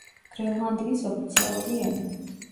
გრენლანდიის ოფიციალური ენა.